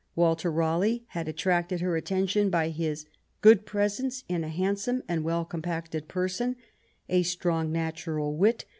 Walter Raleigh had at fracted her attention by his " good F ««^«'^^ handsome and well compacted person a strong natural wit.